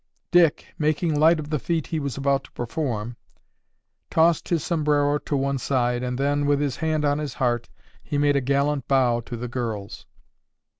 Dick, making light of the feat he was about to perform, tossed his sombrero to one side, and then, with his hand on his heart, he made a gallant bow to the girls.